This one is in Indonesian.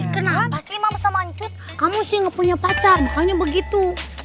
kenapa sih mau sama ancut kamu sih gak punya pacar makanya begitu